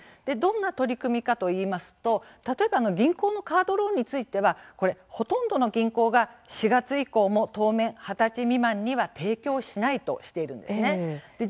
どんな取り組みかといいますと例えば銀行のカードローンについては、ほとんどの銀行が４月以降も当面、２０歳未満には提供しないとしているんですね。